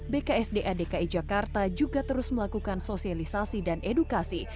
bksda dki jakarta juga terus melakukan sosialisasi dan edukasi